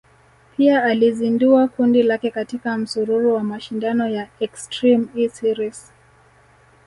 Pia alizindua kundi lake katika msururu wa mashindano ya Extreme E series